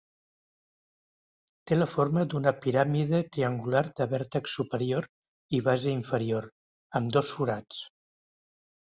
Té la forma d'una piràmide triangular de vèrtex superior i base inferior, amb dos forats.